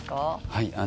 はい。